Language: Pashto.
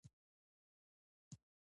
، د شورای امنیت مشاور حمد الله محب